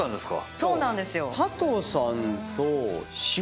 そうなんですよ。